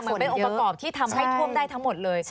คือทุกอย่างมันเป็นองค์ประกอบที่ทำให้ท่วมได้ทั้งหมดเลย